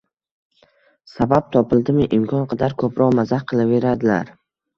Sabab topildimi, imkon qadar ko‘proq mazax qilaveradilar.